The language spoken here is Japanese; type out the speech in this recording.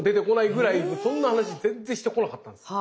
そんな話全然してこなかったんです。